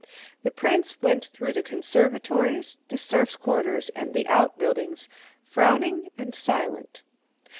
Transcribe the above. The prince went through the conservatories, the serfs' quarters, and the outbuildings, frowning and silent.